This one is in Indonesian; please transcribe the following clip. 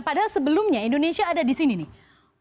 padahal sebelumnya indonesia ada di sini nih